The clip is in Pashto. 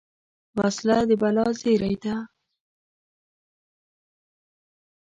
وسله د بلا زېری ده